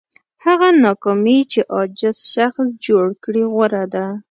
هغه ناکامي چې عاجز شخص جوړ کړي غوره ده.